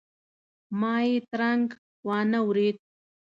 ما یې ترنګ وانه ورېد.